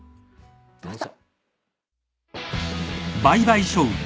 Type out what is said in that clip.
どうぞ。